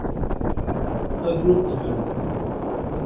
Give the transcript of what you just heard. Ad nnuddmen.